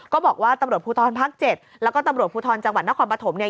ก็บอกว่าตำรวจภูทรภาค๗แล้วก็ตำรวจภูทรจังหวัดนครปฐมเนี่ย